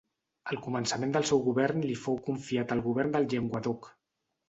Al començament del seu govern li fou confiat el govern del Llenguadoc.